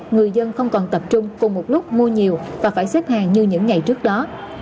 người dân không còn tập trung cùng một lúc mua nhiều và phải xếp hàng như những ngày trước đó